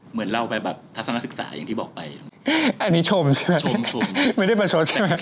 เหมือนเล่าไปแบบทัศนศึกษาอย่างที่บอกไปอันนี้ชมใช่ไหมชมไม่ได้ประชดใช่ไหม